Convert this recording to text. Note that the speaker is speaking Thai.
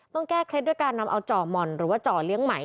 ต้องแก้เคล็ดด้วยการนำเอาจ่อหม่อนหรือว่าจ่อเลี้ยงไหม